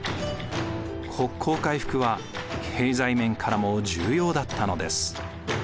国交回復は経済面からも重要だったのです。